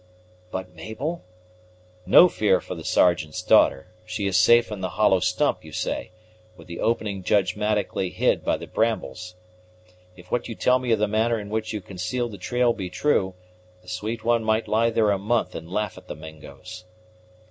"But Mabel ?" "No fear for the Sergeant's daughter. She is safe in the hollow stump, you say, with the opening judgmatically hid by the brambles. If what you tell me of the manner in which you concealed the trail be true, the sweet one might lie there a month and laugh at the Mingos."